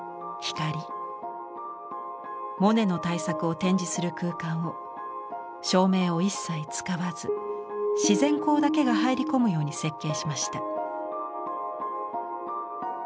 モネの大作を展示する空間を照明を一切使わず自然光だけが入り込むように設計しました。